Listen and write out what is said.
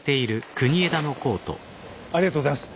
ありがとうございます。